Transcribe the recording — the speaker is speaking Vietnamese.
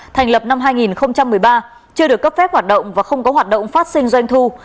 thành lập năm hai nghìn một mươi ba chưa được cấp phép hoạt động và không có hoạt động phát sinh doanh thu